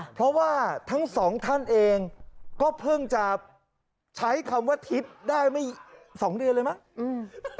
เพราะว่าทั้งสองท่านเองก็เพิ่งจะใช้คำว่าทิศได้ไม่สองเดือนเลยมั้งอืม